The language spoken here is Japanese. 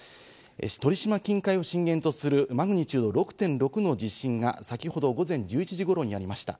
鳥島近海を震源とするマグニチュード６．６の地震が、先ほど午前１１時頃にありました。